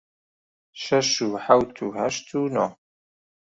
شەش و حەوت و هەشت و نۆ